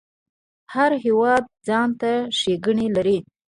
هر هیواد ځانته ښیګڼی لري